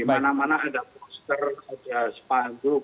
di mana mana ada poster ada sepanduk